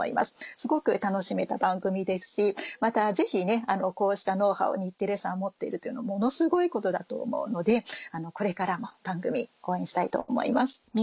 すごく楽しめた番組ですしまたぜひこうしたノウハウを日テレさんは持ってるというのはものすごいことだと思うのでこれからも番組応援したいと思います。